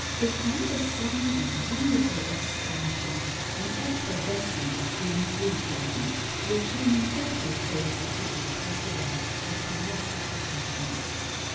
It found a sudden and wonderful expansion, an efflorescence in Beethoven, with whom every phase of the art was developed to colossal proportions.